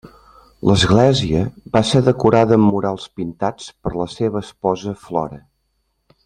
L'església va ser decorada amb murals pintats per la seua esposa Flora.